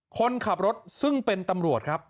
คนขับรถซึ่งเป็นตำรวจครับ